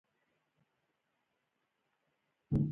هغوی ګومان نه کاوه چې په دې ناسته کې به څه ومومي